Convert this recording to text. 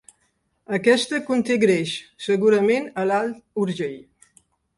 Aquesta conté greix, segurament a l'Alt Urgell.